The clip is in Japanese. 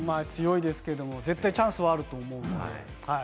そうですね、強いですけれど、絶対にチャンスはあると思うんで。